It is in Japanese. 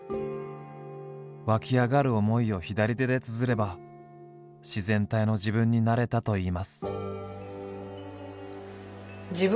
湧き上がる思いを左手でつづれば自然体の自分になれたといいます。